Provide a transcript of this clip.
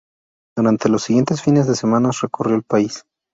Durante los siguientes fines de semana recorrió el país.